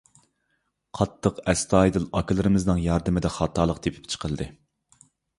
قاتتىق ئەستايىدىل ئاكىلىرىمىزنىڭ ياردىمىدە خاتالىق تېپىپ چىقىلدى.